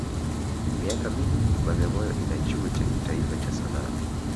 Miaka mingi Bagamoyo ina chuo cha kitaifa cha Sanaa